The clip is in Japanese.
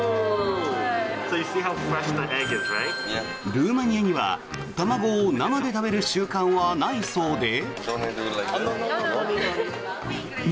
ルーマニアは卵を生で食べる習慣はないそうで。